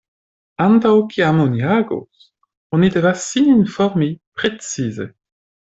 Antaŭ kiam oni agos, oni devas sin informi precize.